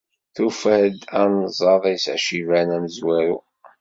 Tufa-d anẓad-is aciban amezwaru.